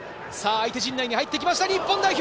相手陣内に入ってきました日本代表。